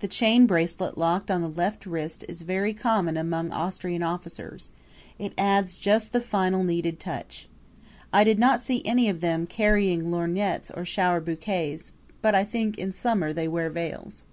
The chain bracelet locked on the left wrist is very common among Austrian officers; it adds just the final needed touch. I did not see any of them carrying lorgnettes or shower bouquets, but I think, in summer they wear veils.